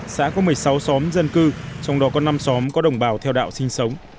xã có một mươi sáu xóm dân cư trong đó có năm xóm có đồng bào theo đạo sinh sống